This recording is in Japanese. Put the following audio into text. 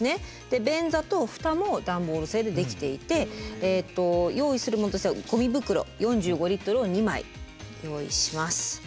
で便座と蓋も段ボール製で出来ていて用意するものとしてはごみ袋４５を２枚用意します。